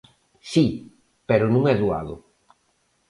Si, pero non é doado.